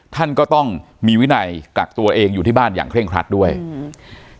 ท่านก็ต้องมีวินัยกักตัวเองอยู่ที่บ้านอย่างเคร่งครัดด้วยอืม